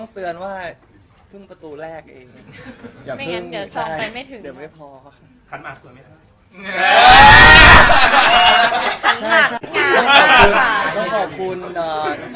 เสียประตูไหนบ้าง